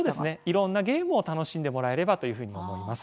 いろんなゲームを楽しんでもらえればというふうに思います。